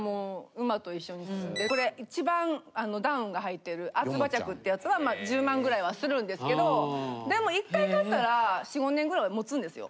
これ一番ダウンが入ってる厚馬着ってやつはまあ１０万ぐらいはするんですけどでも１回買ったら４５年ぐらいもつんですよ。